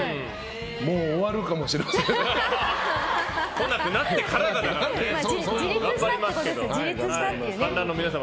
もう終わるかもしれません。